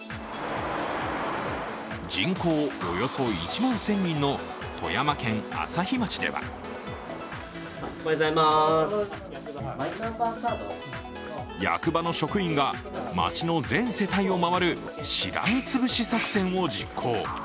人口およそ１万１０００人の富山県朝日町では役場の職員が町の全世帯を回るしらみ潰し作戦を実行。